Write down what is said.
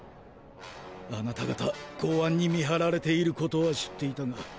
あなた方公安に見張られていることは知っていたが。